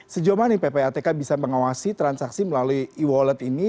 sejauh mana ppatk bisa mengawasi transaksi melalui e wallet ini